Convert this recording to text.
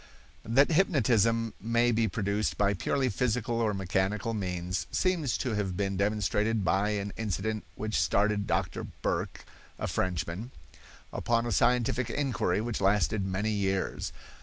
That hypnotism may be produced by purely physical or mechanical means seems to have been demonstrated by an incident which started Doctor Burq, a Frenchman, upon a scientific inquiry which lasted many years.